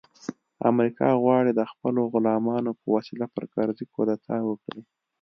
امریکا غواړي د خپلو غلامانو په وسیله پر کرزي کودتا وکړي